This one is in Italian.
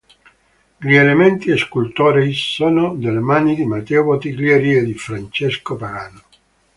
Gli elementi scultorei sono delle mani di Matteo Bottiglieri e di Francesco Pagano.